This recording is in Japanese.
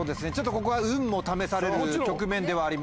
ここは運も試される局面ではあります。